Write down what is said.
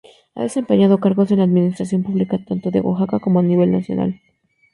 Ha desempeñado cargos en la administración pública tanto de Oaxaca como a nivel nacional.